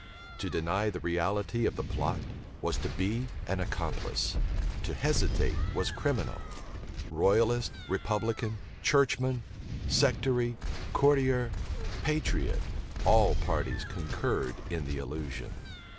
To deny the reality of the plot was to be an accomplice: to hesitate was criminal: royalist, republican; churchman, sectary; courtier, patriot; all parties concurred in the illusion.